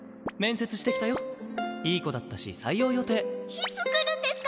いつ来るんですか？